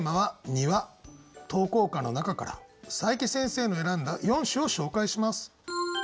投稿歌の中から佐伯先生の選んだ４首を紹介します。